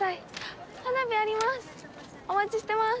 お待ちしてます